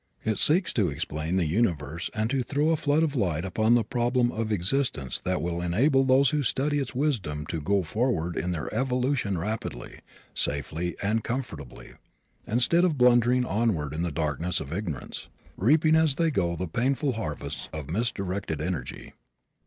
It seeks to explain the universe and to throw a flood of light upon the problem of existence that will enable those who study its wisdom to go forward in their evolution rapidly, safely and comfortably, instead of blundering onward in the darkness of ignorance, reaping as they go the painful harvests of misdirected energy.